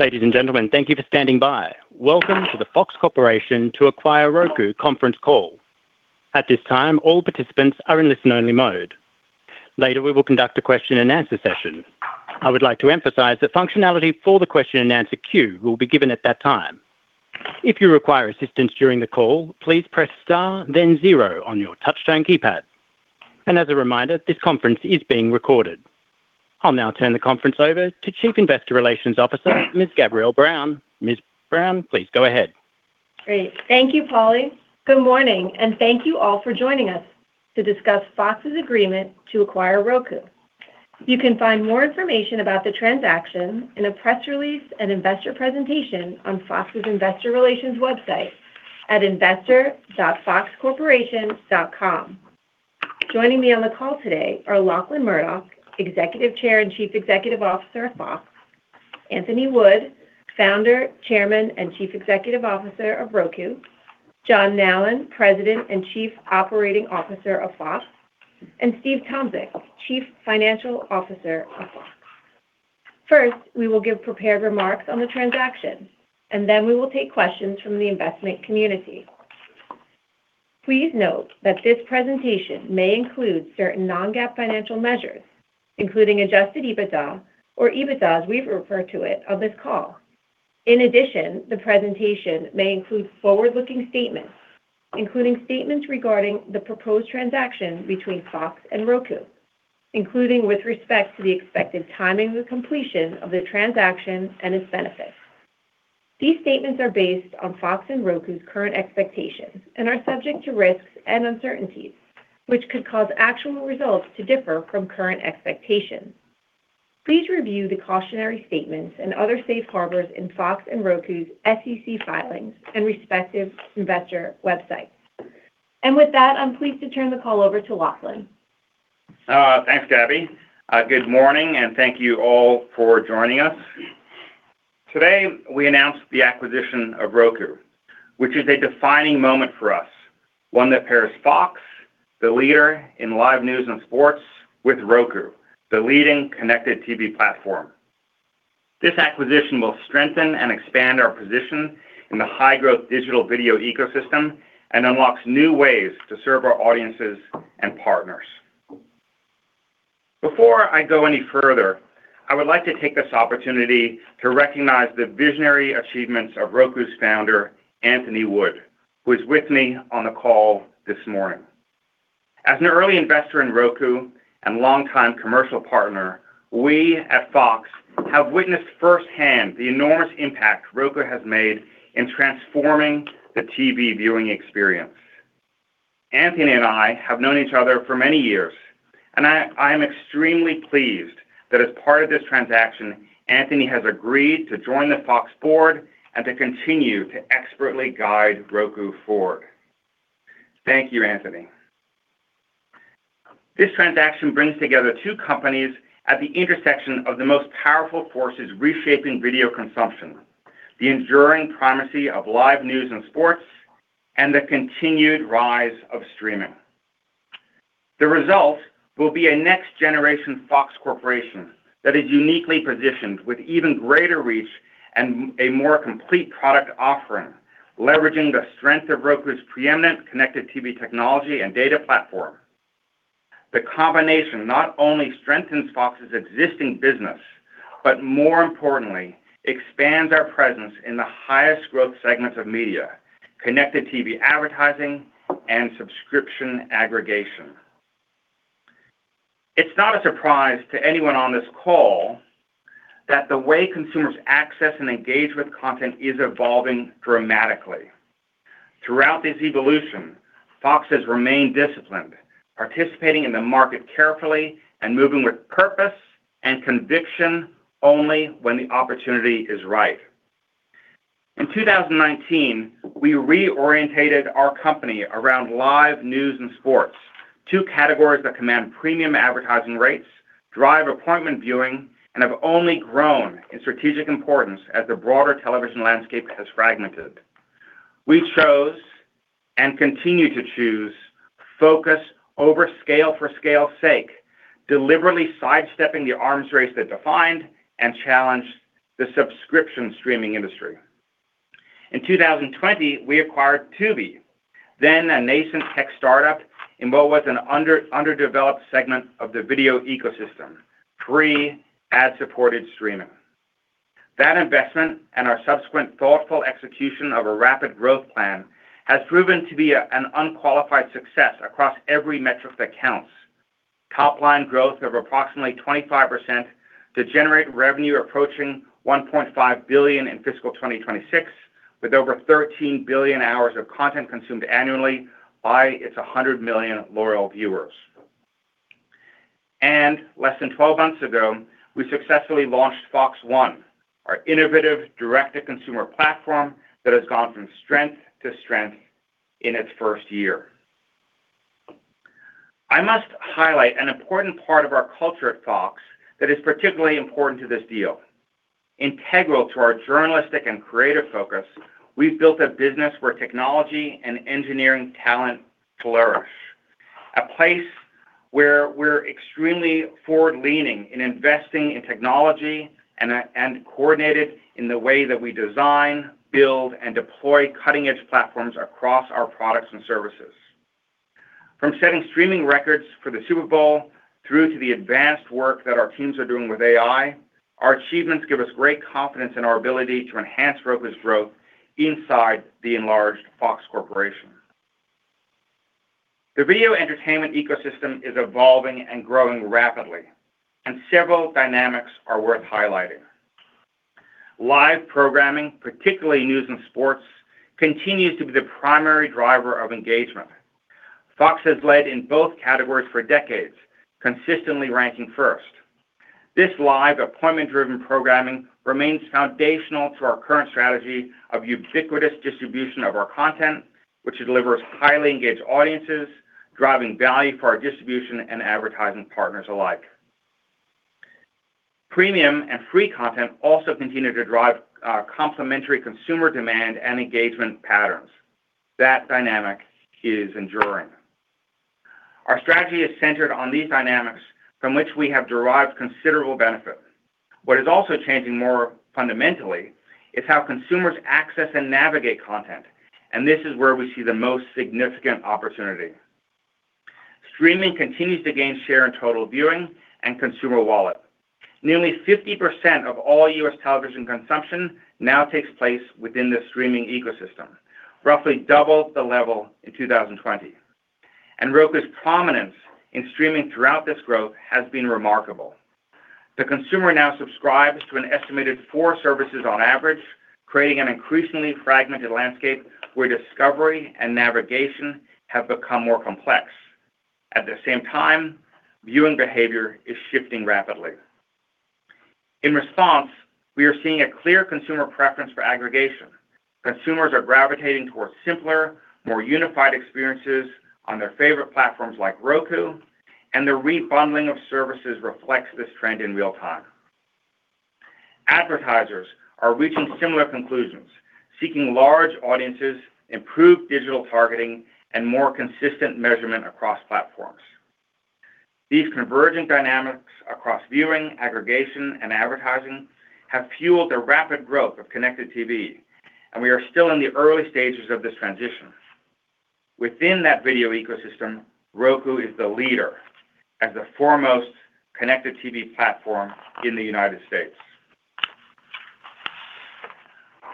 Ladies and gentlemen, thank you for standing by. Welcome to the Fox Corporation to acquire Roku conference call. At this time, all participants are in listen-only mode. Later, we will conduct a question-and-answer session. I would like to emphasize that functionality for the question-and-answer queue will be given at that time. If you require assistance during the call, please press star then zero on your touch-tone keypad. As a reminder, this conference is being recorded. I'll now turn the conference over to Chief Investor Relations Officer, Ms. Gabrielle Brown. Ms. Brown, please go ahead. Great. Thank you, Paulie. Good morning, and thank you all for joining us to discuss Fox's agreement to acquire Roku. You can find more information about the transaction in a press release and investor presentation on Fox's investor relations website at investor.foxcorporation.com. Joining me on the call today are Lachlan Murdoch, Executive Chair and Chief Executive Officer of Fox, Anthony Wood, Founder, Chairman, and Chief Executive Officer of Roku, John Nallen, President and Chief Operating Officer of Fox, and Steve Tomsic, Chief Financial Officer of Fox. First, we will give prepared remarks on the transaction. Then we will take questions from the investment community. Please note that this presentation may include certain non-GAAP financial measures, including adjusted EBITDA, or EBITDA as we refer to it on this call. In addition, the presentation may include forward-looking statements, including statements regarding the proposed transaction between Fox and Roku, including with respect to the expected timing and completion of the transaction and its benefits. These statements are based on Fox and Roku's current expectations and are subject to risks and uncertainties, which could cause actual results to differ from current expectations. Please review the cautionary statements and other safe harbors in Fox and Roku's SEC filings and respective investor websites. With that, I'm pleased to turn the call over to Lachlan. Thanks, Gabby. Good morning, and thank you all for joining us. Today, we announce the acquisition of Roku, which is a defining moment for us, one that pairs Fox, the leader in live news and sports, with Roku, the leading connected TV platform. This acquisition will strengthen and expand our position in the high-growth digital video ecosystem and unlocks new ways to serve our audiences and partners. Before I go any further, I would like to take this opportunity to recognize the visionary achievements of Roku's founder, Anthony Wood, who is with me on the call this morning. As an early investor in Roku and longtime commercial partner, we at Fox have witnessed firsthand the enormous impact Roku has made in transforming the TV viewing experience. Anthony and I have known each other for many years, and I am extremely pleased that as part of this transaction, Anthony has agreed to join the Fox Board and to continue to expertly guide Roku forward. Thank you, Anthony. This transaction brings together two companies at the intersection of the most powerful forces reshaping video consumption, the enduring primacy of live news and sports, and the continued rise of streaming. The result will be a next-generation Fox Corporation that is uniquely positioned with even greater reach and a more complete product offering, leveraging the strength of Roku's preeminent connected TV technology and data platform. The combination not only strengthens Fox's existing business, but more importantly, expands our presence in the highest growth segments of media, connected TV advertising, and subscription aggregation. It's not a surprise to anyone on this call that the way consumers access and engage with content is evolving dramatically. Throughout this evolution, Fox has remained disciplined, participating in the market carefully and moving with purpose and conviction only when the opportunity is right. In 2019, we reoriented our company around live news and sports, two categories that command premium advertising rates, drive appointment viewing, and have only grown in strategic importance as the broader television landscape has fragmented. We chose and continue to choose focus over scale for scale's sake, deliberately sidestepping the arms race that defined and challenged the subscription streaming industry. In 2020, we acquired Tubi, then a nascent tech startup in what was an underdeveloped segment of the video ecosystem, free ad-supported streaming. That investment and our subsequent thoughtful execution of a rapid growth plan has proven to be an unqualified success across every metric that counts. Topline growth of approximately 25%, to generate revenue approaching $1.5 billion in fiscal 2026, with over 13 billion hours of content consumed annually by its 100 million loyal viewers. Less than 12 months ago, we successfully launched FOX One, our innovative direct-to-consumer platform that has gone from strength to strength in its first year. I must highlight an important part of our culture at Fox that is particularly important to this deal. Integral to our journalistic and creative focus, we've built a business where technology and engineering talent flourish. A place where we're extremely forward-leaning in investing in technology and coordinated in the way that we design, build, and deploy cutting-edge platforms across our products and services. From setting streaming records for the Super Bowl through to the advanced work that our teams are doing with AI, our achievements give us great confidence in our ability to enhance Roku's growth inside the enlarged Fox Corporation. Several dynamics are worth highlighting. Live programming, particularly news and sports, continues to be the primary driver of engagement. Fox has led in both categories for decades, consistently ranking first. This live appointment-driven programming remains foundational to our current strategy of ubiquitous distribution of our content, which delivers highly engaged audiences, driving value for our distribution and advertising partners alike. Premium and free content also continue to drive complementary consumer demand and engagement patterns. That dynamic is enduring. Our strategy is centered on these dynamics from which we have derived considerable benefit. What is also changing more fundamentally is how consumers access and navigate content, this is where we see the most significant opportunity. Streaming continues to gain share in total viewing and consumer wallet. Nearly 50% of all U.S. television consumption now takes place within the streaming ecosystem, roughly double the level in 2020. Roku's prominence in streaming throughout this growth has been remarkable. The consumer now subscribes to an estimated four services on average, creating an increasingly fragmented landscape where discovery and navigation have become more complex. At the same time, viewing behavior is shifting rapidly. In response, we are seeing a clear consumer preference for aggregation. Consumers are gravitating towards simpler, more unified experiences on their favorite platforms like Roku, the rebundling of services reflects this trend in real time. Advertisers are reaching similar conclusions, seeking large audiences, improved digital targeting, and more consistent measurement across platforms. These convergent dynamics across viewing, aggregation, and advertising have fueled the rapid growth of connected TV, we are still in the early stages of this transition. Within that video ecosystem, Roku is the leader as the foremost connected TV platform in the U.S..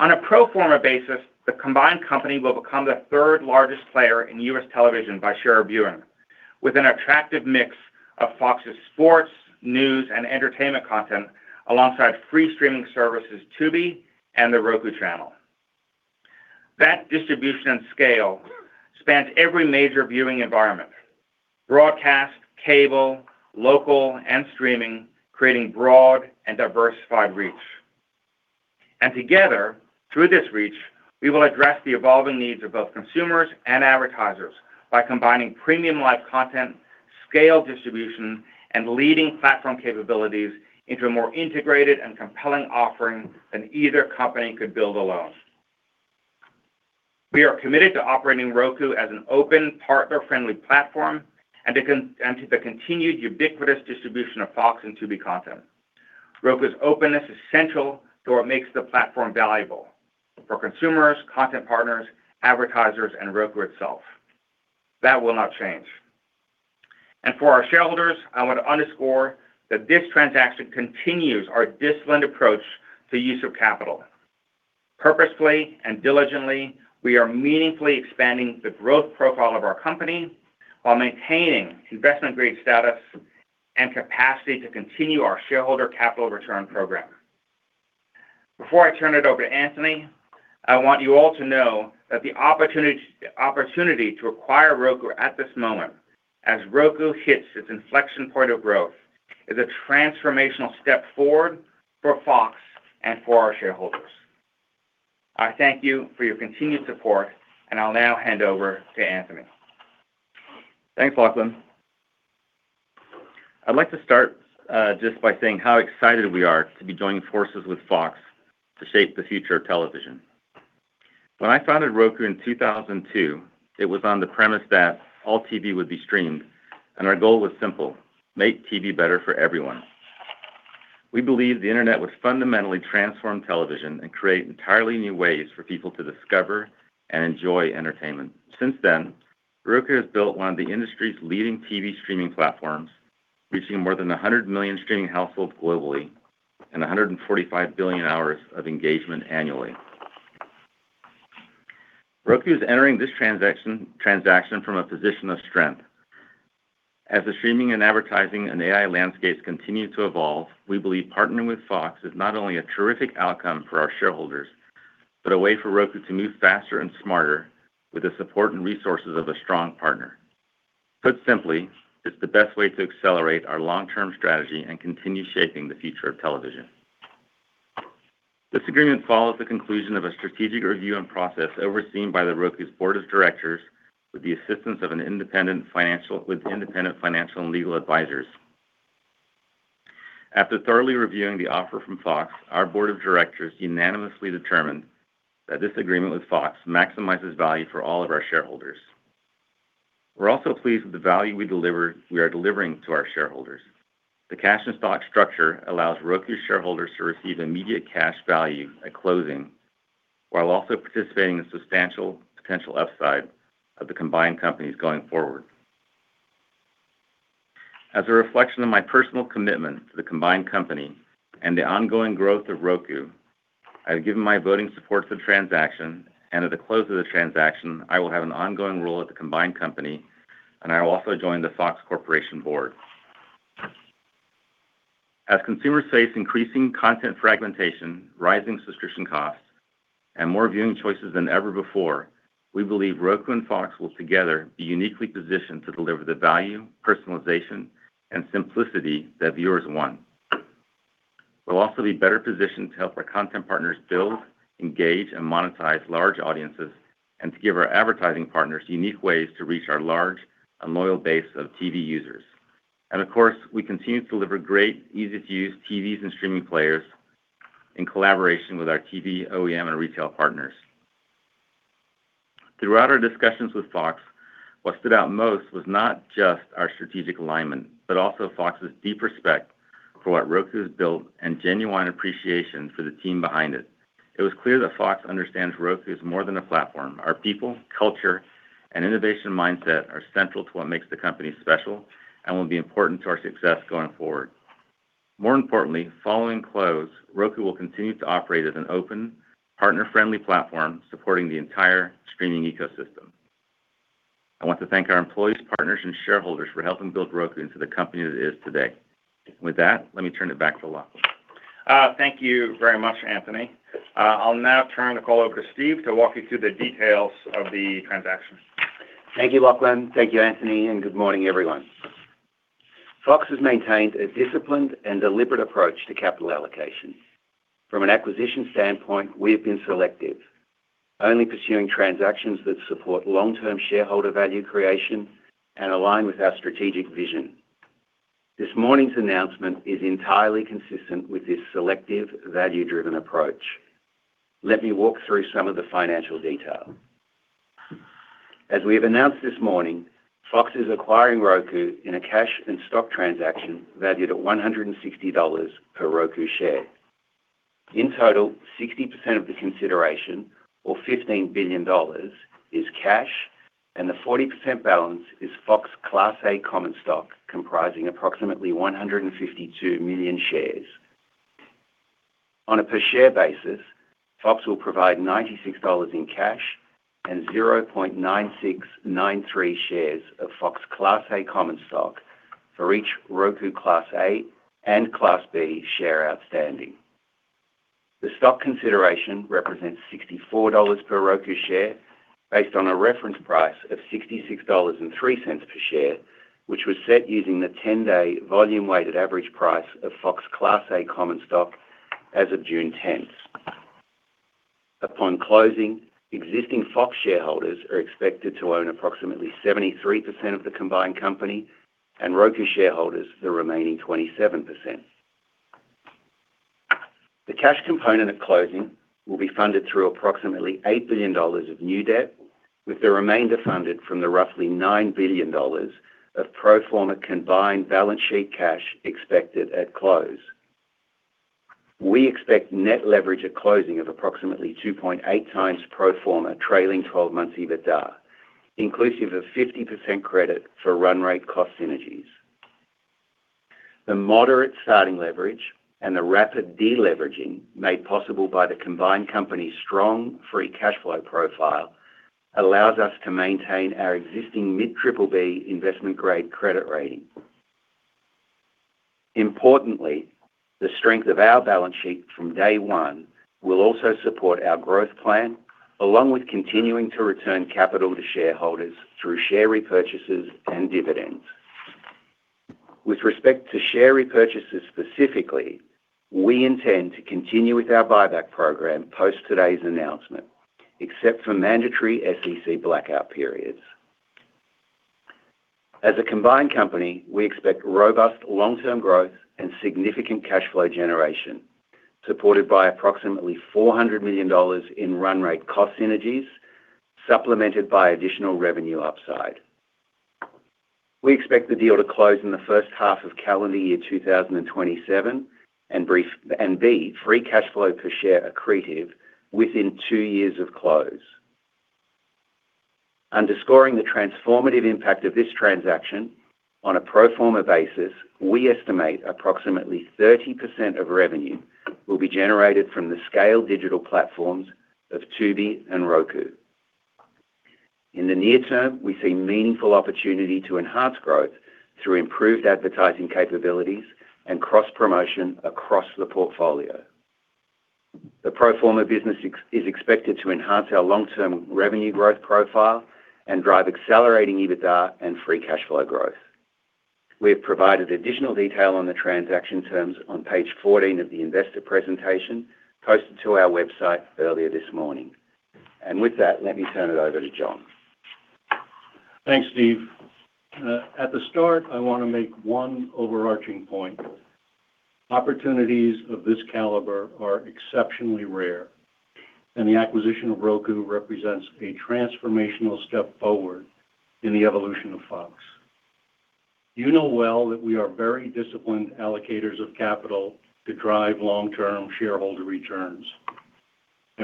On a pro forma basis, the combined company will become the third-largest player in U.S. television by share of viewing, with an attractive mix of Fox's sports, news, and entertainment content, alongside free streaming services Tubi and The Roku Channel. That distribution and scale spans every major viewing environment, broadcast, cable, local, and streaming, creating broad and diversified reach. Together, through this reach, we will address the evolving needs of both consumers and advertisers by combining premium live content, scale distribution, and leading platform capabilities into a more integrated and compelling offering than either company could build alone. We are committed to operating Roku as an open, partner-friendly platform and to the continued ubiquitous distribution of Fox and Tubi content. Roku's openness is central to what makes the platform valuable for consumers, content partners, advertisers, and Roku itself. That will not change. For our shareholders, I want to underscore that this transaction continues our disciplined approach to use of capital. Purposefully and diligently, we are meaningfully expanding the growth profile of our company while maintaining investment-grade status and capacity to continue our shareholder capital return program. Before I turn it over to Anthony, I want you all to know that the opportunity to acquire Roku at this moment, as Roku hits its inflection point of growth, is a transformational step forward for Fox and for our shareholders. I thank you for your continued support, I'll now hand over to Anthony. Thanks, Lachlan. I'd like to start just by saying how excited we are to be joining forces with Fox to shape the future of television. When I founded Roku in 2002, it was on the premise that all TV would be streamed, and our goal was simple, make TV better for everyone. We believe the internet would fundamentally transform television and create entirely new ways for people to discover and enjoy entertainment. Since then, Roku has built one of the industry's leading TV streaming platforms, reaching more than 100 million streaming households globally and 145 billion hours of engagement annually. Roku is entering this transaction from a position of strength. As the streaming and advertising and AI landscapes continue to evolve, we believe partnering with Fox is not only a terrific outcome for our shareholders, but a way for Roku to move faster and smarter with the support and resources of a strong partner. Put simply, it's the best way to accelerate our long-term strategy and continue shaping the future of television. This agreement follows the conclusion of a strategic review and process overseen by Roku's Board of Directors with independent financial and legal advisors. After thoroughly reviewing the offer from Fox, our board of directors unanimously determined that this agreement with Fox maximizes value for all of our shareholders. We're also pleased with the value we are delivering to our shareholders. The cash and stock structure allows Roku shareholders to receive immediate cash value at closing, while also participating in substantial potential upside of the combined companies going forward. As a reflection of my personal commitment to the combined company and the ongoing growth of Roku, I have given my voting support to the transaction, and at the close of the transaction, I will have an ongoing role at the combined company, and I will also join the Fox Corporation Board. As consumers face increasing content fragmentation, rising subscription costs, and more viewing choices than ever before, we believe Roku and Fox will together be uniquely positioned to deliver the value, personalization, and simplicity that viewers want. We'll also be better positioned to help our content partners build, engage, and monetize large audiences, and to give our advertising partners unique ways to reach our large and loyal base of TV users. Of course, we continue to deliver great, easy-to-use TVs and streaming players in collaboration with our TV, OEM, and retail partners. Throughout our discussions with Fox, what stood out most was not just our strategic alignment, but also Fox's deep respect for what Roku has built and genuine appreciation for the team behind it. It was clear that Fox understands Roku is more than a platform. Our people, culture, and innovation mindset are central to what makes the company special and will be important to our success going forward. More importantly, following close, Roku will continue to operate as an open, partner-friendly platform supporting the entire streaming ecosystem. I want to thank our employees, partners, and shareholders for helping build Roku into the company that it is today. With that, let me turn it back to Lachlan. Thank you very much, Anthony. I'll now turn the call over to Steve to walk you through the details of the transaction. Thank you, Lachlan. Thank you, Anthony. Good morning, everyone. Fox has maintained a disciplined and deliberate approach to capital allocation. From an acquisition standpoint, we have been selective, only pursuing transactions that support long-term shareholder value creation and align with our strategic vision. This morning's announcement is entirely consistent with this selective, value-driven approach. Let me walk through some of the financial detail. As we have announced this morning, Fox is acquiring Roku in a cash and stock transaction valued at $160 per Roku share. In total, 60% of the consideration, or $15 billion, is cash, and the 40% balance is Fox Class A common stock, comprising approximately 152 million shares. On a per share basis, Fox will provide $96 in cash and 0.9693 shares of Fox Class A common stock for each Roku Class A and Class B share outstanding. The stock consideration represents $64 per Roku share based on a reference price of $66.03 per share, which was set using the 10-day volume-weighted average price of Fox Class A common stock as of June 10th. Upon closing, existing Fox shareholders are expected to own approximately 73% of the combined company, and Roku shareholders the remaining 27%. The cash component at closing will be funded through approximately $8 billion of new debt, with the remainder funded from the roughly $9 billion of pro forma combined balance sheet cash expected at close. We expect net leverage at closing of approximately 2.8x pro forma trailing 12 months EBITDA, inclusive of 50% credit for run rate cost synergies. The moderate starting leverage and the rapid de-leveraging made possible by the combined company's strong free cash flow profile allows us to maintain our existing mid-BBB investment-grade credit rating. Importantly, the strength of our balance sheet from day one will also support our growth plan, along with continuing to return capital to shareholders through share repurchases and dividends. With respect to share repurchases specifically, we intend to continue with our buyback program post today's announcement, except for mandatory SEC blackout periods. As a combined company, we expect robust long-term growth and significant cash flow generation, supported by approximately $400 million in run rate cost synergies, supplemented by additional revenue upside. We expect the deal to close in the first half of calendar year 2027, and the free cash flow per share accretive within two years of close. Underscoring the transformative impact of this transaction, on a pro forma basis, we estimate approximately 30% of revenue will be generated from the scaled digital platforms of Tubi and Roku. In the near term, we see meaningful opportunity to enhance growth through improved advertising capabilities and cross-promotion across the portfolio. The pro forma business is expected to enhance our long-term revenue growth profile and drive accelerating EBITDA and free cash flow growth. We have provided additional detail on the transaction terms on page 14 of the investor presentation posted to our website earlier this morning. With that, let me turn it over to John. Thanks, Steve. At the start, I want to make one overarching point. Opportunities of this caliber are exceptionally rare. The acquisition of Roku represents a transformational step forward in the evolution of Fox. You know well that we are very disciplined allocators of capital to drive long-term shareholder returns,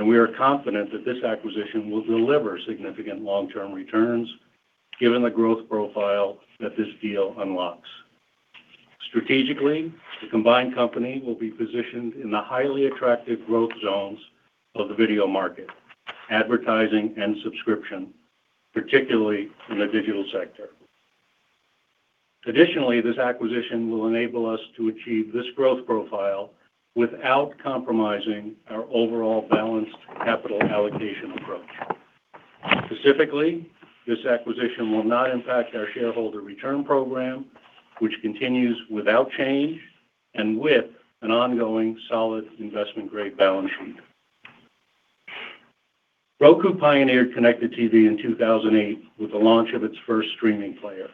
we are confident that this acquisition will deliver significant long-term returns given the growth profile that this deal unlocks. Strategically, the combined company will be positioned in the highly attractive growth zones of the video market, advertising and subscription, particularly in the digital sector. Additionally, this acquisition will enable us to achieve this growth profile without compromising our overall balanced capital allocation approach. Specifically, this acquisition will not impact our shareholder return program, which continues without change and with an ongoing solid investment-grade balance sheet. Roku pioneered connected TV in 2008 with the launch of its first streaming player.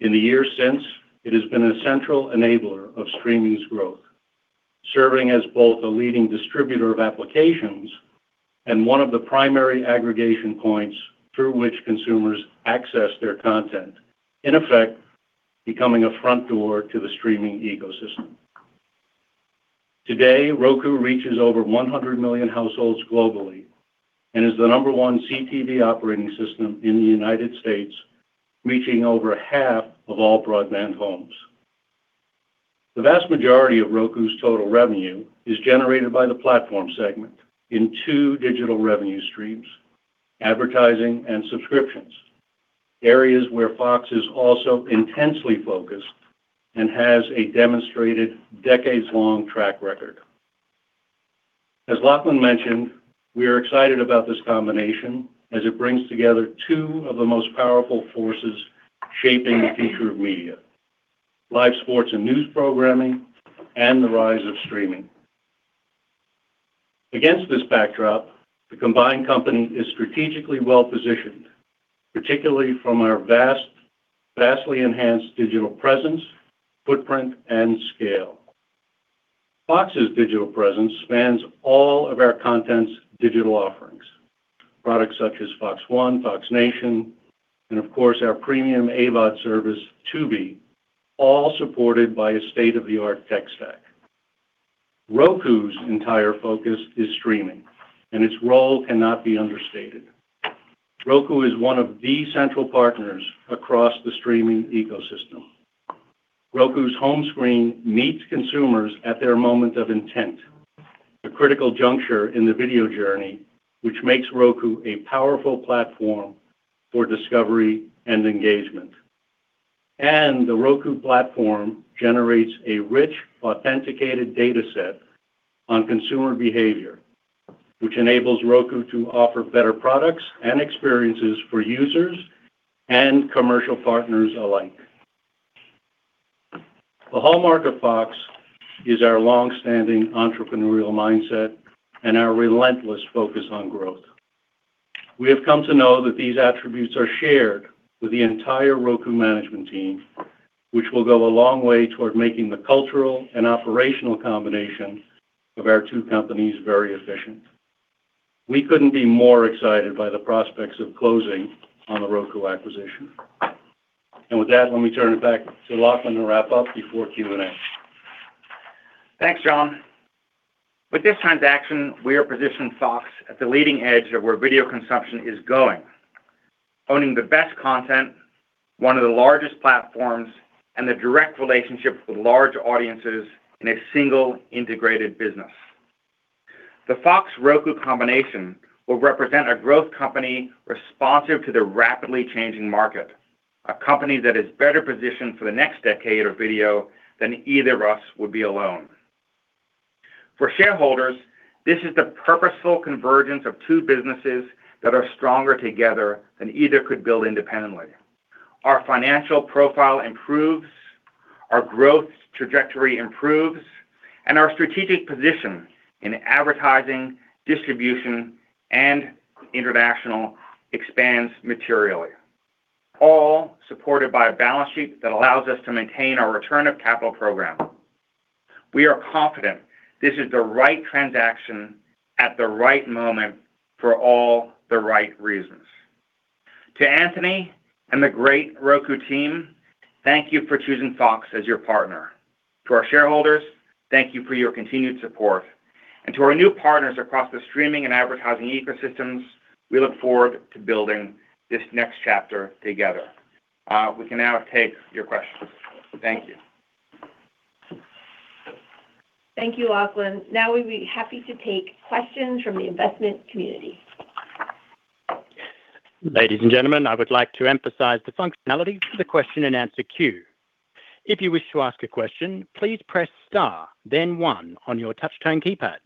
In the years since, it has been a central enabler of streaming's growth, serving as both a leading distributor of applications and one of the primary aggregation points through which consumers access their content, in effect, becoming a front door to the streaming ecosystem. Today, Roku reaches over 100 million households globally and is the number one CTV operating system in the U.S., reaching over half of all broadband homes. The vast majority of Roku's total revenue is generated by the platform segment in two digital revenue streams, advertising and subscriptions, areas where Fox is also intensely focused and has a demonstrated decades-long track record. As Lachlan mentioned, we are excited about this combination as it brings together two of the most powerful forces shaping the future of media, live sports and news programming, and the rise of streaming. Against this backdrop, the combined company is strategically well-positioned, particularly from our vastly enhanced digital presence, footprint, and scale. Fox's digital presence spans all of our content's digital offerings, products such as FOX One, Fox Nation, and of course, our premium AVOD service, Tubi, all supported by a state-of-the-art tech stack. Roku's entire focus is streaming, and its role cannot be understated. Roku is one of the central partners across the streaming ecosystem. Roku's home screen meets consumers at their moment of intent, a critical juncture in the video journey, which makes Roku a powerful platform for discovery and engagement. The Roku platform generates a rich, authenticated data set on consumer behavior, which enables Roku to offer better products and experiences for users and commercial partners alike. The hallmark of Fox is our longstanding entrepreneurial mindset and our relentless focus on growth. We have come to know that these attributes are shared with the entire Roku management team, which will go a long way toward making the cultural and operational combination of our two companies very efficient. We couldn't be more excited by the prospects of closing on the Roku acquisition. With that, let me turn it back to Lachlan to wrap up before Q&A. Thanks, John. With this transaction, we are positioning Fox at the leading edge of where video consumption is going. Owning the best content, one of the largest platforms, and the direct relationship with large audiences in a single integrated business. The Fox-Roku combination will represent a growth company responsive to the rapidly changing market, a company that is better positioned for the next decade of video than either of us would be alone. For shareholders, this is the purposeful convergence of two businesses that are stronger together than either could build independently. Our financial profile improves, our growth trajectory improves, and our strategic position in advertising, distribution, and international expands materially, all supported by a balance sheet that allows us to maintain our return of capital program. We are confident this is the right transaction at the right moment for all the right reasons. To Anthony and the great Roku team, thank you for choosing Fox as your partner. To our shareholders, thank you for your continued support. To our new partners across the streaming and advertising ecosystems, we look forward to building this next chapter together. We can now take your questions. Thank you. Thank you, Lachlan. Now we'd be happy to take questions from the investment community. Ladies and gentlemen, I would like to emphasize the functionality for the question and answer queue. If you wish to ask a question, please press star then one on your touch tone keypad.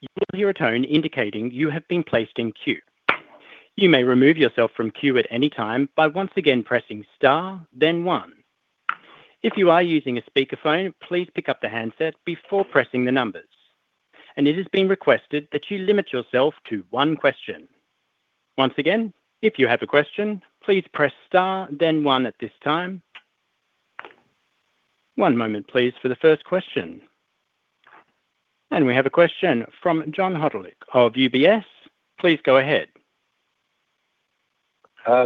You will hear a tone indicating you have been placed in queue. You may remove yourself from queue at any time by once again pressing star then one. If you are using a speakerphone, please pick up the handset before pressing the numbers. It has been requested that you limit yourself to one question. Once again, if you have a question, please press star then one at this time. One moment, please, for the first question. We have a question from John Hodulik of UBS. Please go ahead.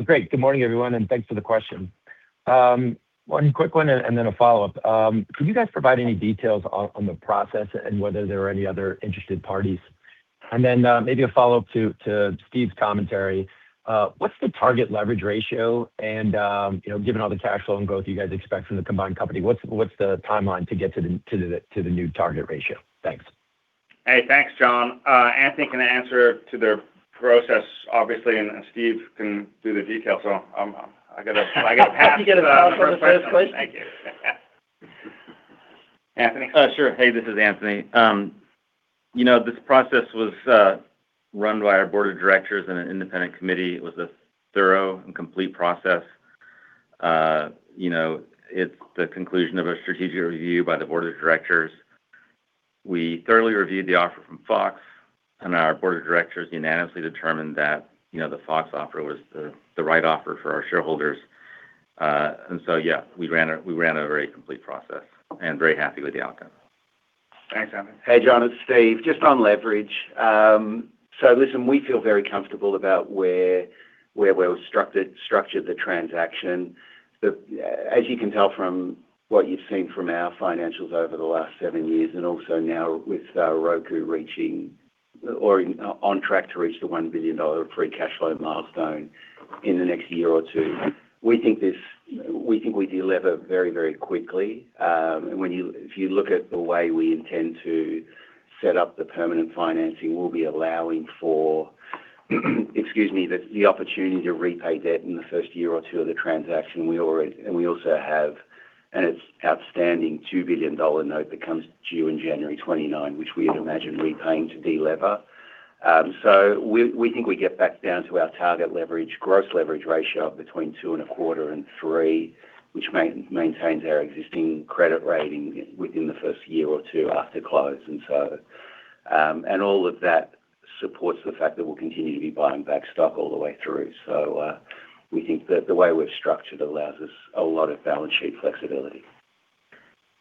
Great. Good morning, everyone, thanks for the question. One quick one and then a follow-up. Could you guys provide any details on the process and whether there are any other interested parties? Then maybe a follow-up to Steve's commentary. What's the target leverage ratio and, given all the cash flow and growth you guys expect from the combined company, what's the timeline to get to the new target ratio? Thanks. Hey, thanks, John. Anthony can answer to the process, obviously, Steve can do the details. I got to pass to them. You get a pass for the first question. Thank you. Anthony? Sure. Hey, this is Anthony. This process was run by our board of directors and an independent committee. It was a thorough and complete process. It's the conclusion of a strategic review by the board of directors. We thoroughly reviewed the offer from Fox, and our board of directors unanimously determined that the Fox offer was the right offer for our shareholders. Yeah, we ran a very complete process and very happy with the outcome. Thanks, Anthony. Hey, John, it's Steve. Just on leverage. Listen, we feel very comfortable about where we've structured the transaction. As you can tell from what you've seen from our financials over the last seven years, and also now with Roku on track to reach the $1 billion free cash flow milestone in the next year or two, we think we deliver very quickly. If you look at the way we intend to set up the permanent financing, we'll be allowing for the opportunity to repay debt in the first year or two of the transaction. We also have an outstanding $2 billion note that comes due in January 2029, which we had imagined repaying to delever. We think we get back down to our target leverage, gross leverage ratio of between two and a quarter and three, which maintains our existing credit rating within the first year or two after close. All of that supports the fact that we'll continue to be buying back stock all the way through. We think that the way we've structured allows us a lot of balance sheet flexibility.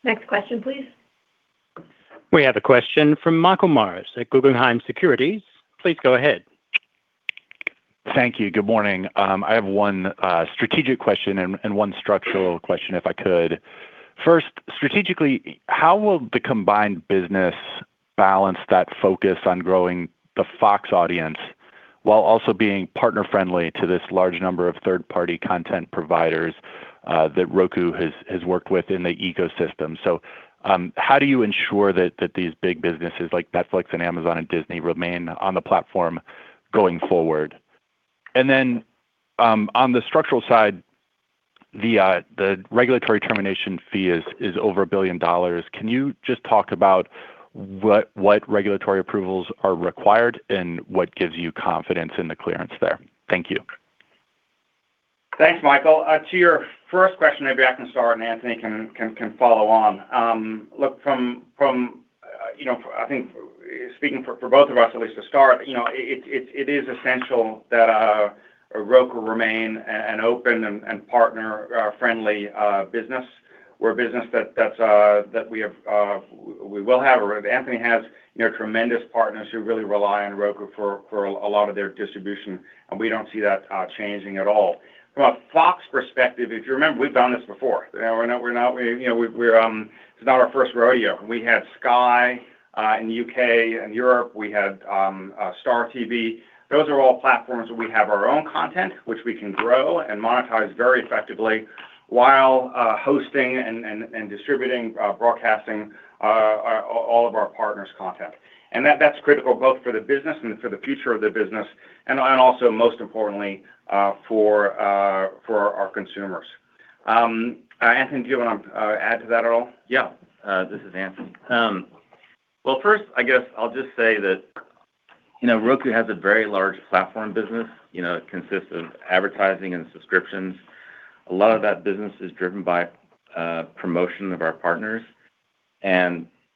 Next question, please. We have a question from Michael Morris at Guggenheim Securities. Please go ahead. Thank you. Good morning. I have one strategic question and one structural question, if I could. First, strategically, how will the combined business balance that focus on growing the Fox audience while also being partner-friendly to this large number of third-party content providers that Roku has worked with in the ecosystem? How do you ensure that these big businesses like Netflix and Amazon and Disney remain on the platform going forward? On the structural side, the regulatory termination fee is over billion dollars. Can you just talk about what regulatory approvals are required and what gives you confidence in the clearance there? Thank you. Thanks, Michael. To your first question, maybe I can start and Anthony can follow on. I think speaking for both of us, at least to start, it is essential that Roku remain an open and partner-friendly business. We're a business that we will have, or Anthony has, tremendous partners who really rely on Roku for a lot of their distribution, and we don't see that changing at all. From a Fox perspective, if you remember, we've done this before. It's not our first rodeo. We had Sky in the U.K. and Europe. We had Star TV. Those are all platforms where we have our own content, which we can grow and monetize very effectively while hosting and distributing, broadcasting all of our partners' content. That's critical both for the business and for the future of the business and also, most importantly, for our consumers. Anthony, do you want to add to that at all? This is Anthony. First, I guess I'll just say that Roku has a very large platform business. It consists of advertising and subscriptions. A lot of that business is driven by promotion of our partners,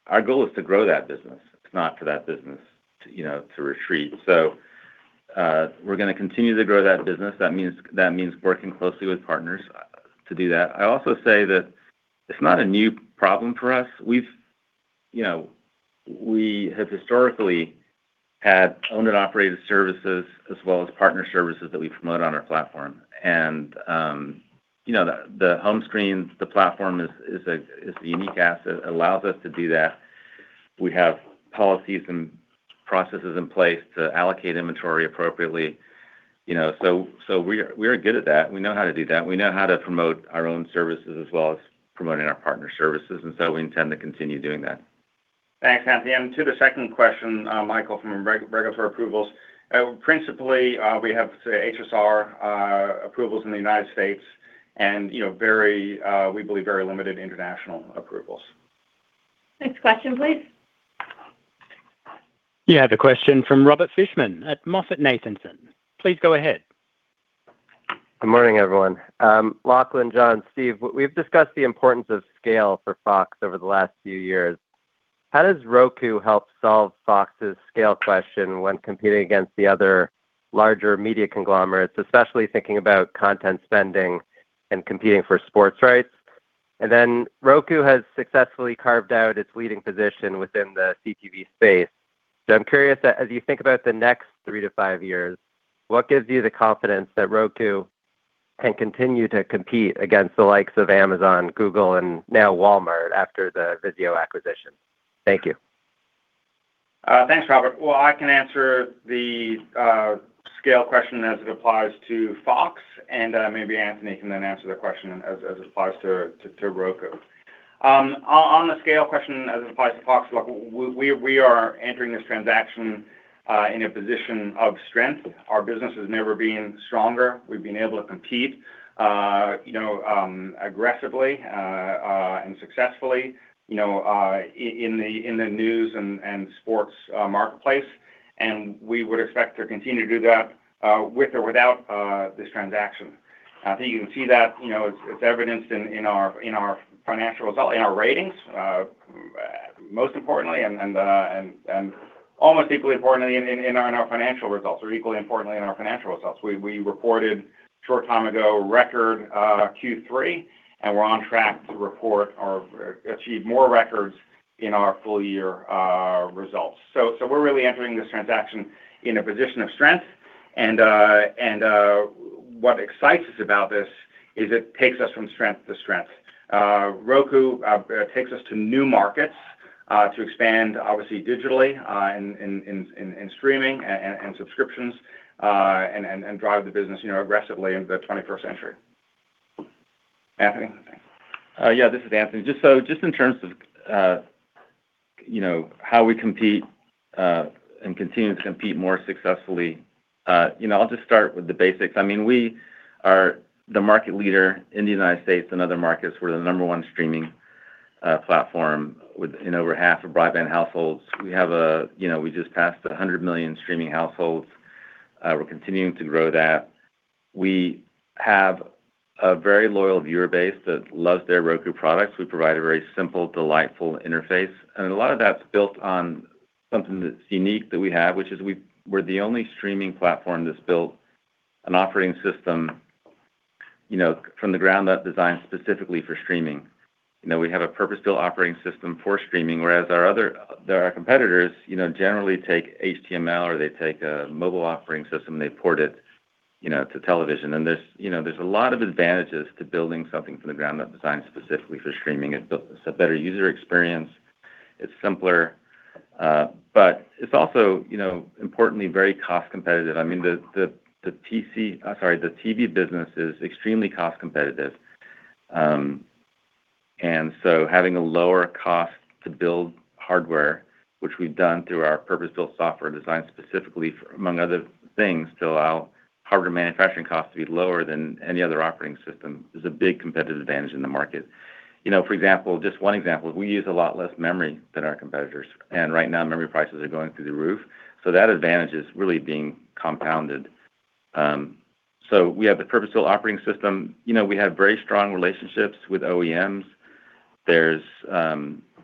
our goal is to grow that business. It's not for that business to retreat. We're going to continue to grow that business. That means working closely with partners to do that. I also say that it's not a new problem for us. We have historically had owned and operated services as well as partner services that we promote on our platform. The home screen, the platform is a unique asset. It allows us to do that. We have policies and processes in place to allocate inventory appropriately. We are good at that. We know how to do that. We know how to promote our own services as well as promoting our partner services, and so we intend to continue doing that. Thanks, Anthony. To the second question, Michael, from regulatory approvals. Principally, we have HSR approvals in the U.S. and we believe very limited international approvals. Next question, please. You have a question from Robert Fishman at MoffettNathanson. Please go ahead. Good morning, everyone. Lachlan, John, Steve, we've discussed the importance of scale for Fox over the last few years. How does Roku help solve Fox's scale question when competing against the other larger media conglomerates, especially thinking about content spending and competing for sports rights? Roku has successfully carved out its leading position within the CTV space. I'm curious that as you think about the next three to five years, what gives you the confidence that Roku can continue to compete against the likes of Amazon, Google, and now Walmart after the VIZIO acquisition? Thank you. Thanks, Robert. I can answer the scale question as it applies to Fox, maybe Anthony can answer the question as it applies to Roku. On the scale question as it applies to Fox, we are entering this transaction in a position of strength. Our business has never been stronger. We've been able to compete aggressively and successfully in the news and sports marketplace, we would expect to continue to do that with or without this transaction. I think you can see that it's evidenced in our financial result, in our ratings, most importantly, almost equally importantly, in our financial results, equally importantly in our financial results. We reported a short time ago, record Q3, we're on track to report or achieve more records in our full year results. We're really entering this transaction in a position of strength what excites us about this is it takes us from strength to strength. Roku takes us to new markets to expand, obviously digitally, in streaming and subscriptions, drive the business aggressively into the 21st century. Anthony? This is Anthony. Just in terms of how we compete continue to compete more successfully, I'll just start with the basics. We are the market leader in the U.S. other markets. We're the number one streaming platform in over half of broadband households. We just passed 100 million streaming households. We're continuing to grow that. We have a very loyal viewer base that loves their Roku products. We provide a very simple, delightful interface, a lot of that's built on something that's unique that we have, which is we're the only streaming platform that's built an operating system from the ground up designed specifically for streaming. We have a purpose-built operating system for streaming, whereas our competitors generally take HTML or they take a mobile operating system, they port to television. There's a lot of advantages to building something from the ground up designed specifically for streaming. It's a better user experience. It's simpler. It's also importantly very cost competitive. The TV business is extremely cost competitive. Having a lower cost to build hardware, which we've done through our purpose-built software designed specifically for, among other things, to allow hardware manufacturing costs to be lower than any other operating system, is a big competitive advantage in the market. For example, just one example, is we use a lot less memory than our competitors, right now, memory prices are going through the roof. That advantage is really being compounded. We have the purpose-built operating system. We have very strong relationships with OEMs. There's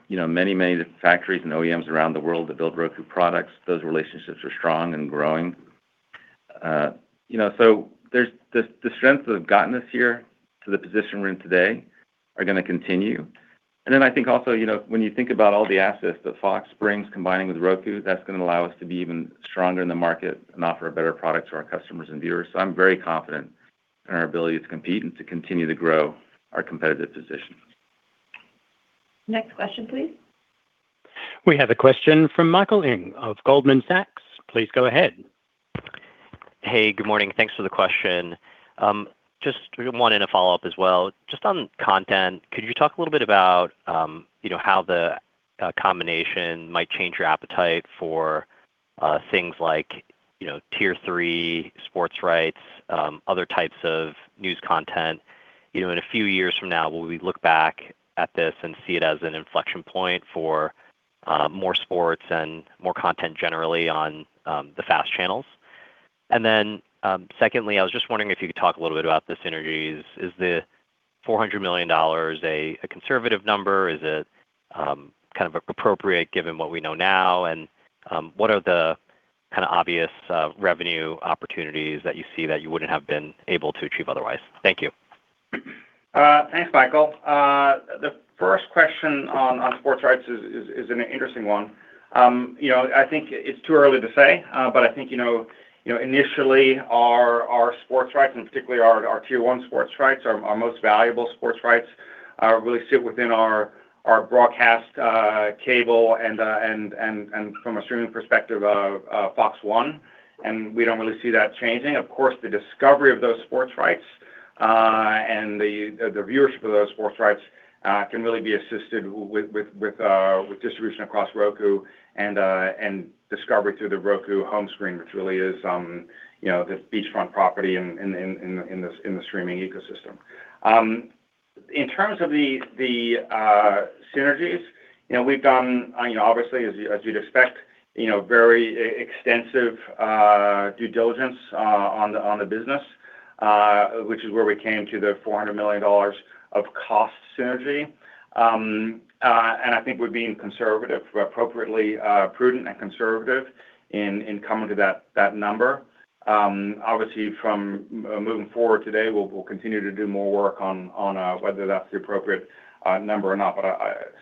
many different factories OEMs around the world that build Roku products. Those relationships are strong and growing. The strengths that have gotten us here to the position we're in today are going to continue. I think also, when you think about all the assets that Fox brings, combining with Roku, that's going to allow us to be even stronger in the market and offer a better product to our customers and viewers. I'm very confident in our ability to compete and to continue to grow our competitive position. Next question, please. We have a question from Michael Ng of Goldman Sachs. Please go ahead. Hey, good morning. Thanks for the question. Just one and a follow-up as well. Just on content, could you talk a little bit about how the combination might change your appetite for things like Tier 3 sports rights, other types of news content? In a few years from now, will we look back at this and see it as an inflection point for more sports and more content generally on the FAST channels? Secondly, I was just wondering if you could talk a little bit about the synergies. Is the $400 million a conservative number? Is it appropriate given what we know now? What are the obvious revenue opportunities that you see that you wouldn't have been able to achieve otherwise? Thank you. Thanks, Michael. The first question on sports rights is an interesting one. I think it's too early to say, but I think initially our sports rights and particularly our Tier 3 sports rights, our most valuable sports rights, really sit within our broadcast cable and from a streaming perspective of FOX One, we don't really see that changing. Of course, the discovery of those sports rights, and the viewership of those sports rights can really be assisted with distribution across Roku and discovery through the Roku home screen, which really is the beachfront property in the streaming ecosystem. In terms of the synergies, we've done, obviously, as you'd expect, very extensive due diligence on the business, which is where we came to the $400 million of cost synergy. I think we're being appropriately prudent and conservative in coming to that number. Obviously, from moving forward today, we'll continue to do more work on whether that's the appropriate number or not.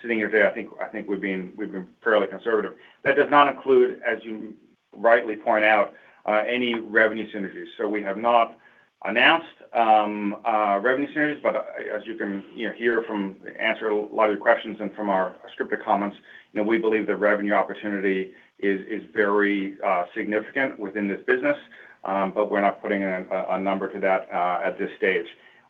Sitting here today, I think we've been fairly conservative. That does not include, as you rightly point out, any revenue synergies. We have not announced revenue synergies, but as you can hear from the answer to a lot of your questions and from our scripted comments, we believe the revenue opportunity is very significant within this business. We're not putting a number to that at this stage.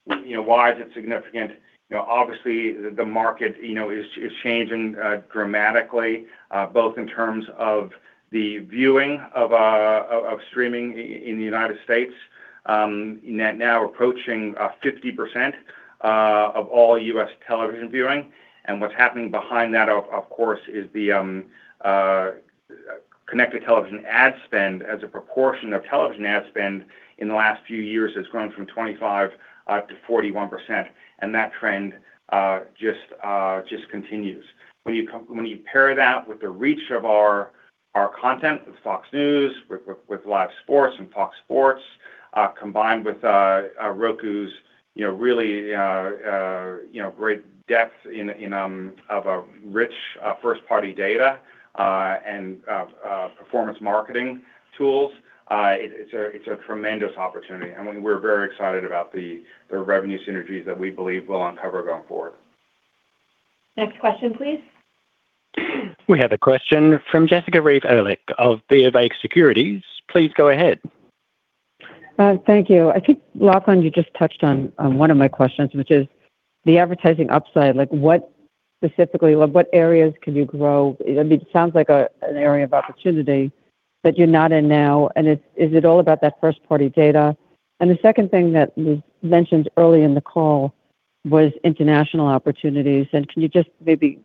Why is it significant? Obviously, the market is changing dramatically, both in terms of the viewing of streaming in the U.S., now approaching 50% of all U.S. television viewing. What's happening behind that, of course, is the connected television ad spend as a proportion of television ad spend in the last few years has grown from 25%-41%, and that trend just continues. When you pair that with the reach of our content with Fox News, with live sports and Fox Sports, combined with Roku's really great depth of a rich first-party data and performance marketing tools, it's a tremendous opportunity. We're very excited about the revenue synergies that we believe we'll uncover going forward. Next question, please. We have a question from Jessica Reif Ehrlich of BofA Securities. Please go ahead. Thank you. I think Lachlan, you just touched on one of my questions, which is the advertising upside. What specifically, what areas can you grow? It sounds like an area of opportunity that you're not in now, and is it all about that first-party data? The second thing that you mentioned early in the call was international opportunities, and can you just maybe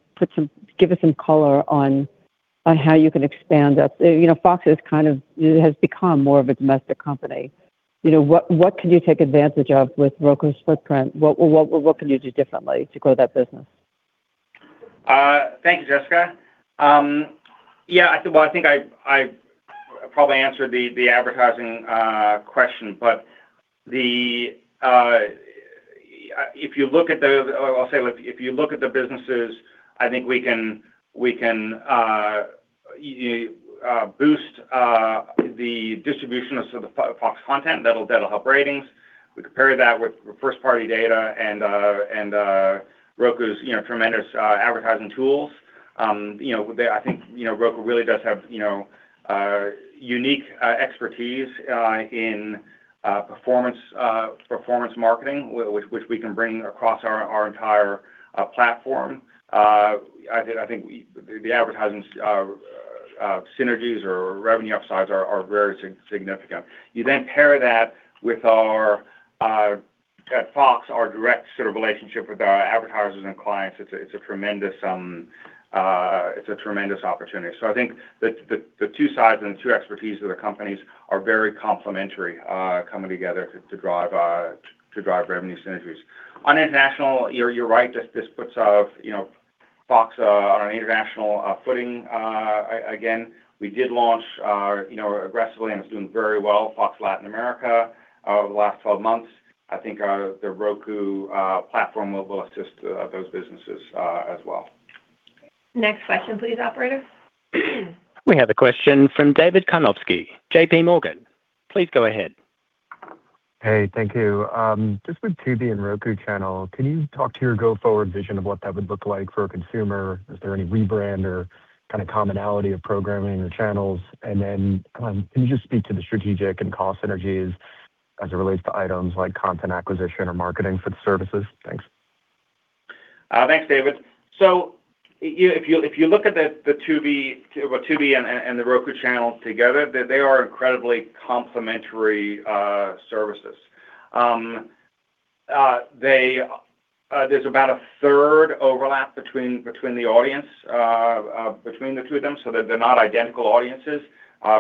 give us some color on how you can expand that? Fox has become more of a domestic company. What can you take advantage of with Roku's footprint? What can you do differently to grow that business? Thank you, Jessica. Yeah. Well, I think I probably answered the advertising question. If you look at the businesses, I think we can boost the distribution of some of the Fox content that'll help ratings. We could pair that with first-party data and Roku's tremendous advertising tools. I think Roku really does have unique expertise in performance marketing, which we can bring across our entire platform. I think the advertising synergies or revenue upsides are very significant. You then pair that with at Fox, our direct relationship with our advertisers and clients. It's a tremendous opportunity. I think the two sides and the two expertise of the companies are very complementary coming together to drive revenue synergies. On international, you're right. This puts Fox on an international footing. Again, we did launch aggressively and it's doing very well, Fox Latin America over the last 12 months. I think the Roku platform will assist those businesses as well. Next question, please, Operator. We have a question from David Karnovsky, JPMorgan. Please go ahead. Hey, thank you. Just with Tubi and Roku Channel, can you talk to your go-forward vision of what that would look like for a consumer? Is there any rebrand or kind of commonality of programming or channels? Can you just speak to the strategic and cost synergies as it relates to items like content acquisition or marketing for the services? Thanks. Thanks, David. If you look at the Tubi and Roku channels together, they are incredibly complementary services. There's about a third overlap between the audience between the two of them so that they're not identical audiences.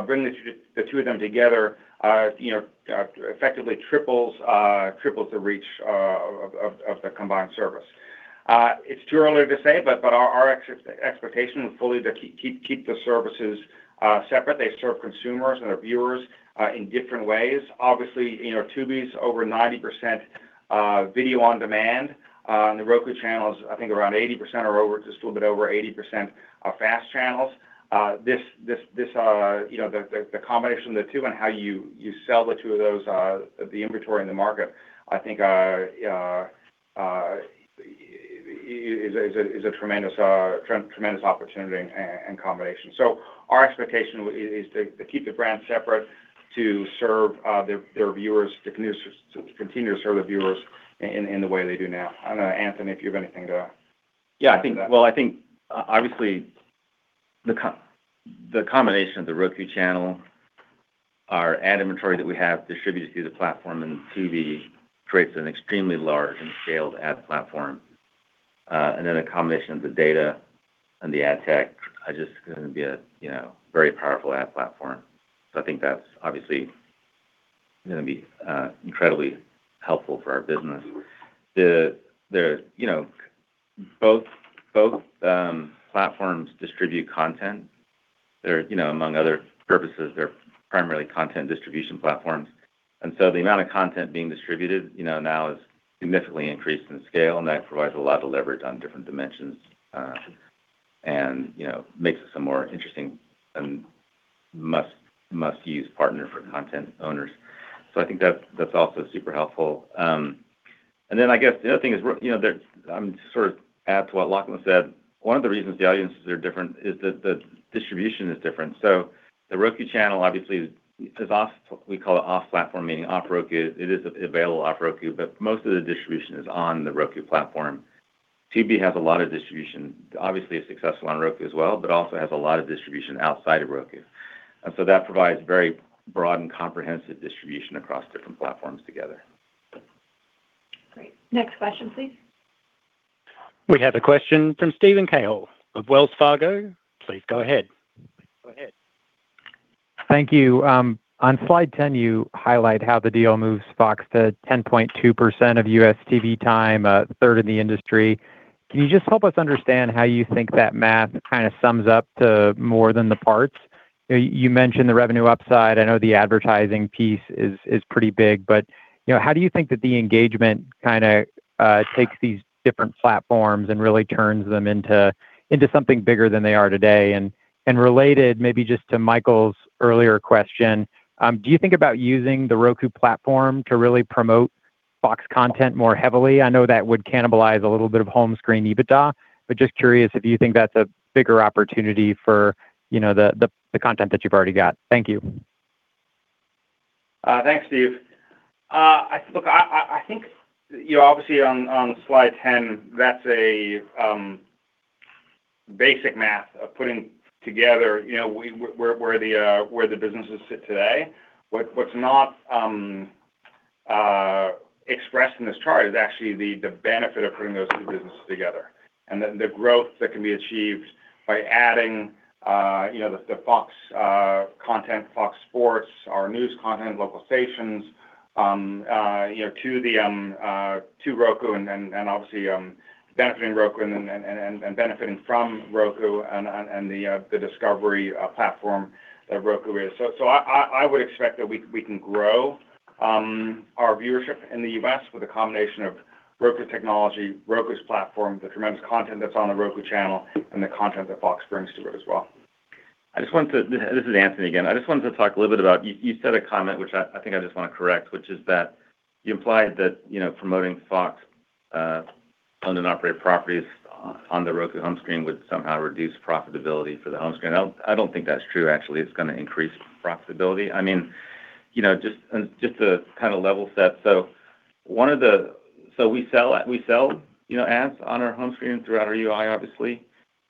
Bringing the two of them together effectively triples the reach of the combined service. It's too early to say, but our expectation is fully to keep the services separate. They serve consumers and our viewers in different ways. Obviously, Tubi's over 90% video on demand, and The Roku Channel is, I think around 80% or just a little bit over 80% are fast channels. The combination of the two and how you sell the two of those, the inventory in the market, I think is a tremendous opportunity and combination. Our expectation is to keep the brands separate, to continue to serve the viewers in the way they do now. I don't know, Anthony, if you have anything to add to that. Yeah. Well, I think obviously the combination of The Roku Channel Our ad inventory that we have distributed through the platform and Tubi creates an extremely large and scaled ad platform. A combination of the data and the ad tech are just going to be a very powerful ad platform. I think that's obviously going to be incredibly helpful for our business. Both platforms distribute content. Among other purposes, they're primarily content distribution platforms. The amount of content being distributed now is significantly increased in scale, and that provides a lot of leverage on different dimensions and makes it a more interesting and must-use partner for content owners. I think that's also super helpful. I guess the other thing is, to add to what Lachlan said, one of the reasons the audiences are different is that the distribution is different. The Roku Channel, obviously, we call it off-platform, meaning off Roku. It is available off Roku, but most of the distribution is on the Roku platform. Tubi has a lot of distribution. Obviously, it's successful on Roku as well, but also has a lot of distribution outside of Roku. That provides very broad and comprehensive distribution across different platforms together. Great. Next question, please. We have a question from Steven Cahall of Wells Fargo. Please go ahead. Thank you. On slide 10, you highlight how the deal moves Fox to 10.2% of U.S. TV time, a third in the industry. Can you just help us understand how you think that math kind of sums up to more than the parts? You mentioned the revenue upside. I know the advertising piece is pretty big. How do you think that the engagement kind of takes these different platforms and really turns them into something bigger than they are today? Related, maybe just to Michael's earlier question, do you think about using the Roku platform to really promote Fox content more heavily? I know that would cannibalize a little bit of home screen EBITDA, but just curious if you think that's a bigger opportunity for the content that you've already got. Thank you. Thanks, Steve. Look, I think obviously on slide 10, that's a basic math of putting together where the businesses sit today. What's not expressed in this chart is actually the benefit of putting those two businesses together and the growth that can be achieved by adding the Fox content, Fox Sports, our news content, local stations to Roku, and obviously benefiting from Roku and the discovery platform that Roku is. I would expect that we can grow our viewership in the U.S. with a combination of Roku technology, Roku's platform, the tremendous content that's on The Roku Channel, and the content that Fox brings to it as well. This is Anthony again. I just wanted to talk a little bit about, you said a comment which I think I just want to correct, which is that you implied that promoting Fox owned and operated properties on The Roku home screen would somehow reduce profitability for the home screen. I don't think that's true, actually. It's going to increase profitability. Just to kind of level set. We sell ads on our home screen throughout our UI, obviously,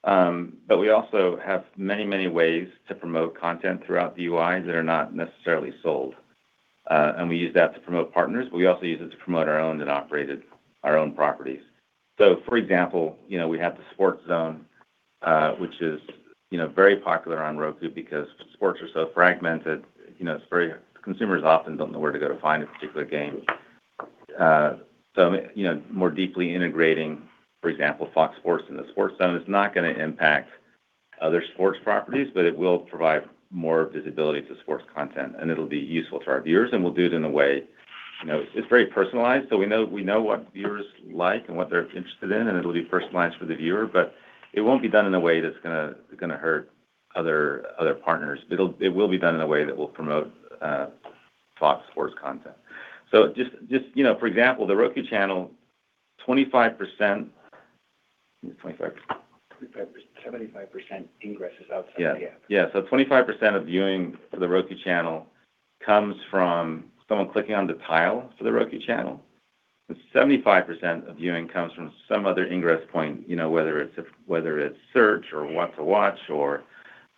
but we also have many ways to promote content throughout the UIs that are not necessarily sold. We use that to promote partners, but we also use it to promote our owned and operated, our own properties. For example, we have the Sports Zone, which is very popular on Roku because sports are so fragmented. Consumers often don't know where to go to find a particular game. More deeply integrating, for example, Fox Sports in the Sports Zone is not going to impact other sports properties, but it will provide more visibility to sports content, and it'll be useful to our viewers. It's very personalized. We know what viewers like and what they're interested in, and it'll be personalized for the viewer, but it won't be done in a way that's going to hurt other partners. It will be done in a way that will promote Fox Sports content. Just for example, The Roku Channel, 25% 75% ingress is outside the app. Yeah. 25% of viewing of The Roku Channel comes from someone clicking on the tile for The Roku Channel, but 75% of viewing comes from some other ingress point, whether it's search or what to watch or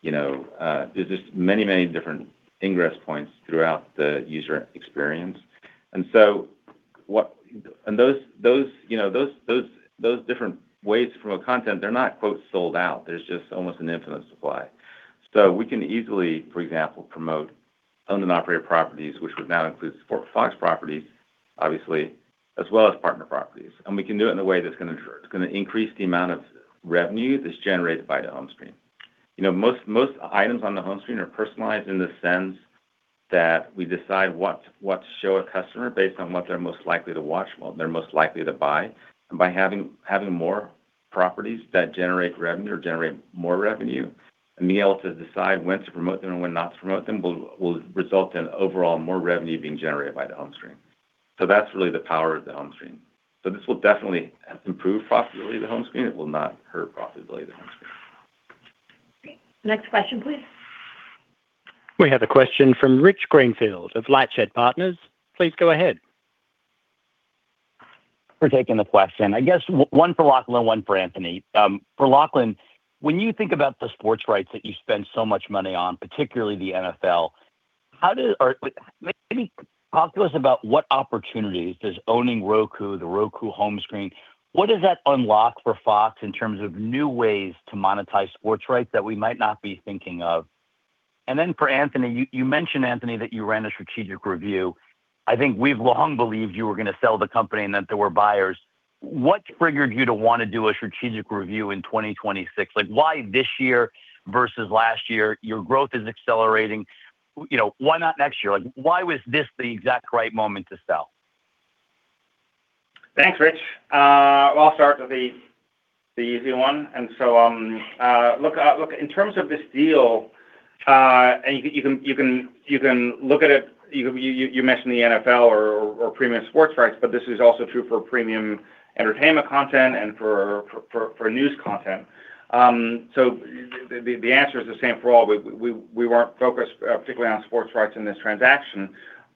there's just many different ingress points throughout the user experience. Those different ways to promote content, they're not "sold out." There's just almost an infinite supply. We can easily, for example, promote owned and operated properties, which would now include Fox properties, obviously, as well as partner properties. We can do it in a way that's going to increase the amount of revenue that's generated by the home screen. Most items on the home screen are personalized in the sense that we decide what to show a customer based on what they're most likely to watch, what they're most likely to buy. By having more properties that generate revenue or generate more revenue, and being able to decide when to promote them and when not to promote them, will result in overall more revenue being generated by the home screen. That's really the power of the home screen. This will definitely improve profitability of the home screen. It will not hurt profitability of the home screen. Okay. Next question, please. We have a question from Rich Greenfield of LightShed Partners. Please go ahead. Thank you for taking the question. I guess one for Lachlan, one for Anthony. For Lachlan, when you think about the sports rights that you spend so much money on, particularly the NFL, maybe talk to us about what opportunities does owning Roku, the Roku home screen, what does that unlock for Fox in terms of new ways to monetize sports rights that we might not be thinking of? Then for Anthony, you mentioned that you ran a strategic review. I think we've long believed you were going to sell the company and that there were buyers. What triggered you to want to do a strategic review in 2026? Why this year versus last year? Your growth is accelerating. Why not next year? Why was this the exact right moment to sell? Thanks, Rich. I'll start with the easy one. Look, in terms of this deal, and you can look at it, you mentioned the NFL or premium sports rights, but this is also true for premium entertainment content and for news content. The answer is the same for all. We weren't focused particularly on sports rights in this transaction,